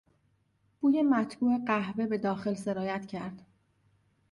بوی مطبوع قهوه به داخل سرایت کرد.